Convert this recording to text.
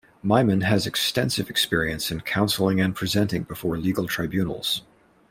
Maimon has extensive experience in counseling and presenting before legal tribunals.